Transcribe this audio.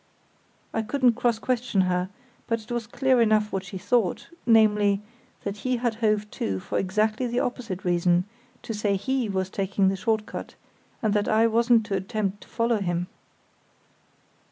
I couldn't cross question her, but it was clear enough what she thought; namely, that he had hove to for exactly the opposite reason, to say he was taking the short cut, and that I wasn't to attempt to follow him."